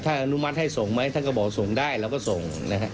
ถ้าอนุมัติให้ส่งแม้เธอก็บอกส่งได้เราก็ส่ง